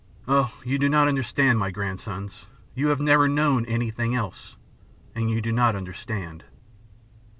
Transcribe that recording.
" Oh, you do not understand, my grandsons. You have never known anything else, and you do not understand.